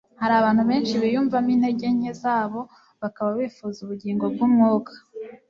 Hariho abantul benshi biyumvamo intege nke zabo bakaba bifuza ubugingo bw'umwuka